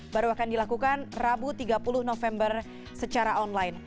baru akan dilakukan rabu tiga puluh november secara online